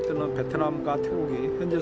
saya pikir mereka akan menang